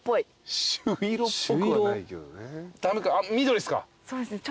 緑っすか？